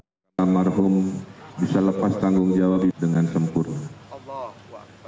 karena al mahum bisa lepas tanggung jawab dengan sempurna